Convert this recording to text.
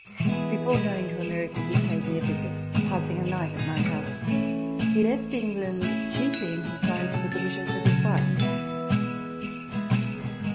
Before going to America, he paid me a visit, passing a night at my house. He left England chiefly in compliance with the wishes of his wife.